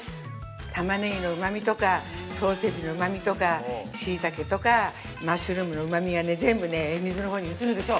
タマネギのうまみとかソーセージのうまみとかしいたけとかマッシュルームのうまみがね全部ねえ、水のほうに移るでしょ。